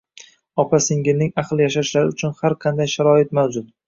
Opa-singilning ahil yashashlari uchun har qanday sharoit mavjud